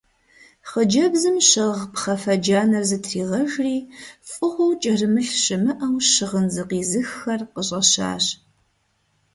Хъыджэбзым щыгъ пхъафэ джанэр зытригъэжри фӀыгъуэу кӀэрымылъ щымыӀэу щыгъын зыкъизыххэр къыщӀэщащ.